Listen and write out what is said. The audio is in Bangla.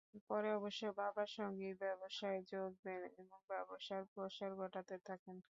পরে অবশ্য বাবার সঙ্গেই ব্যবসায় যোগ দেন এবং ব্যবসার প্রসার ঘটাতে থাকেন।